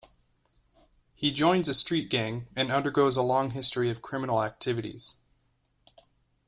He joins a street gang, and undergoes a long history of criminal activities.